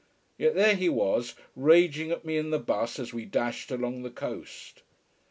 Yet there he was raging at me in the bus as we dashed along the coast.